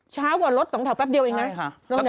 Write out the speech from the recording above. เช้ากว่ารถ๒ชั่วแป๊บเดียวเองนะใช่ค่ะ